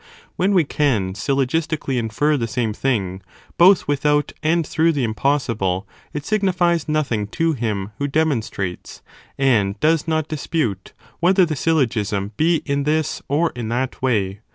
When we can syllogistically infer the same ,). 04 ae. thing, both without and through the impossible, monstration it signifies nothing to him, who demonstrates, and Preferable to | does not dispute, whether the syllogism be in this, 'ad absur or in that way